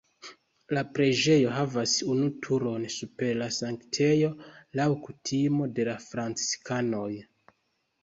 La preĝejo havas unu turon super la sanktejo laŭ kutimo de la franciskanoj.